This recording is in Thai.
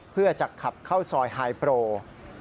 เพื่อจะขับเข้าซอยไฮโปร